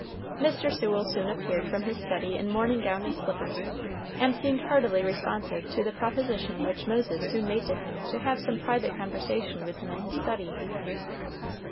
Mr. Sewell soon appeared from his study in morning gown and slippers, and seemed heartily responsive to the proposition which Moses soon made to him to have some private conversation with him in his study.